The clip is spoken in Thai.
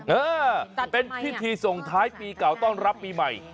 เออเป็นพิธีส่งท้ายปีเก่าต้อนรับปีใหม่